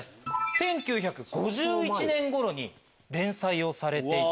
１９５１年頃に連載をされていた。